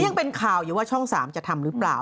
ยังเป็นข่าวอยู่ว่าช่อง๓จะทำหรือเปล่า